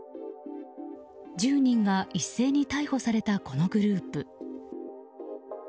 １０人が一斉に逮捕されたこのグループ。